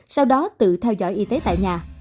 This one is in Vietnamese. sau đó tự theo dõi y tế tại nhà